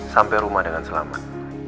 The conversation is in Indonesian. sampai rumah dengan selamat